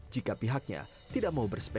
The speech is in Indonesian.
jika pihaknya tidak mau bersepeda